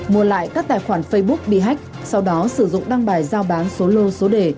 mua lại các tài khoản facebook bị hách sau đó sử dụng đăng bài giao bán số lô số đề